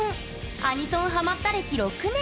アニソンハマった歴６年。